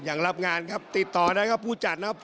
รับงานครับติดต่อได้ครับผู้จัดนะครับ